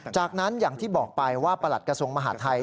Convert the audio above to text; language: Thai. จากนั้นอย่างที่บอกไปว่าประหลัดกระทรวงมหาดไทย